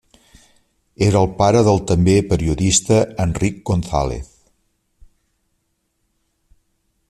Era el pare del també periodista Enric González.